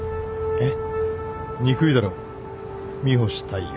えっ！？